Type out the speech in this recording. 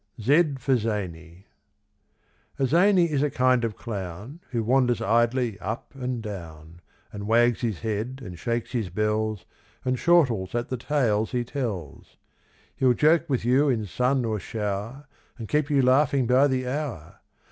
Z for Zany. A zany is a kind of clown Who wanders idly up and down, And wags his head, and shakes his bells, And chortles at the tales he tells. He'll joke with you in sun or show'r, And keep you laughing by the hour.